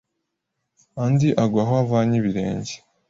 andi agwa aho avanye ibirenge,